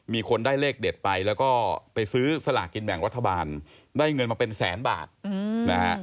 มีคนได้เลขเด็ดไปแล้วก็ไปซื้อสลากกินแบ่งรัฐบาลได้เงินมาเป็นแสนบาทนะฮะ